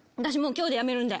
今日で辞めるんで。